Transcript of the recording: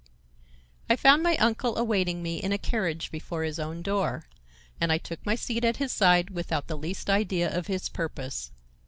I found my uncle awaiting me in a carriage before his own door, and I took my seat at his side without the least idea of his purpose.